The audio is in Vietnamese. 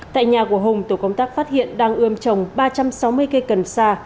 tại nhà của hùng tổ công tác phát hiện đang ươm chồng ba trăm sáu mươi cây cần xa